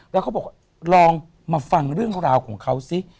แล้วเขาบอกลองมาฟังเรื่องราวของเขาซิ